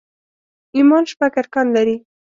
ايمان شپږ ارکان لري